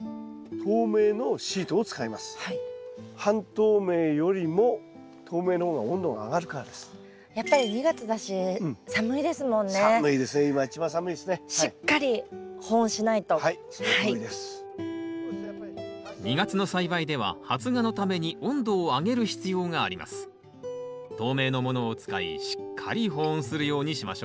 透明のものを使いしっかり保温するようにしましょう。